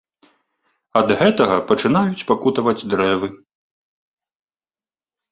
Ад гэтага пачынаюць пакутаваць дрэвы.